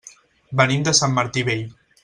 Venim de Sant Martí Vell.